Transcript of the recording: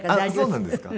そうなんですか？